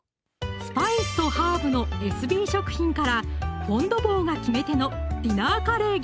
スパイスとハーブのエスビー食品からフォン・ド・ボーが決め手の「ディナーカレー」